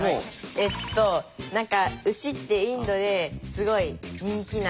えっと何か牛ってインドですごい人気な。